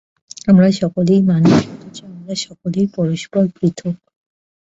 আমরা সকলেই মানুষ অথচ আমরা সকলেই পরস্পর পৃথক্।